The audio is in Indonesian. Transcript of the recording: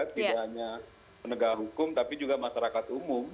tidak hanya penegak hukum tapi juga masyarakat umum